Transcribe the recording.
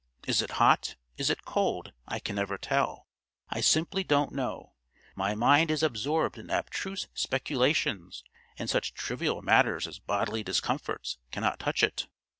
Is it hot? is it cold? I can never tell; I simply don't know. My mind is absorbed in abstruse speculations and such trivial matters as bodily discomforts cannot touch it.